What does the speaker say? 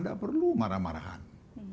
nggak perlu marah marahan